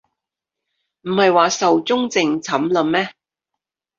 唔係話壽終正寢喇咩